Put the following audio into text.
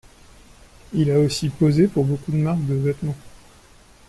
Il a aussi posé pour beaucoup de marques de vêtements.